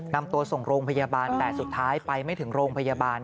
นำตัวส่งโรงพยาบาลแต่สุดท้ายไปไม่ถึงโรงพยาบาล